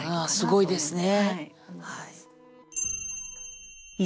すごいですね。